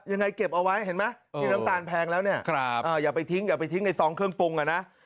ยังไงเก็บเอาไว้เห็นไหมน้ำตาลแพงแล้วอย่าไปทิ้งในซองเครื่องปรุง